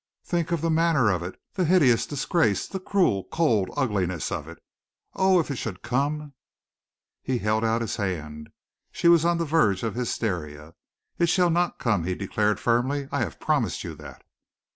"Think of the manner of it, the hideous disgrace, the cruel, cold ugliness of it! Oh, if it should come " He held out his hand. She was on the verge of hysteria. "It shall not come," he declared firmly. "I have promised you that."